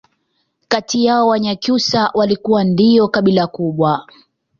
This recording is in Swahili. kati yao Wanyakyusa walikuwa ndio kabila kubwa